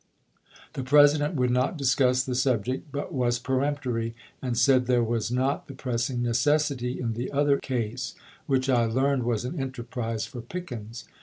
The President would not discuss the subject but was peremptory, and said there was not the pressing necessity in the other case, which I learned was an enterprise for Pickens.